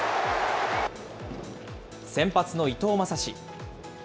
先発の伊藤将司。